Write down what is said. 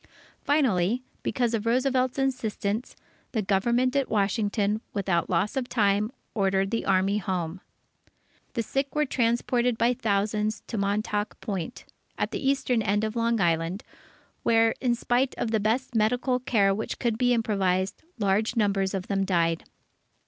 Finally, because of Roosevelt's insistence, the Government at Washington, without loss of time, ordered the Army home. The sick were transported by thousands to Montauk Point, at the eastern end of Long Island, where in spite of the best medical care which could be improvised, large numbers of them died.